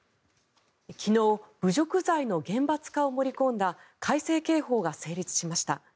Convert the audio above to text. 昨日侮辱罪の厳罰化を盛り込んだ改正刑法が成立しました。